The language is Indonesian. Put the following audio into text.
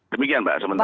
demikian pak sementara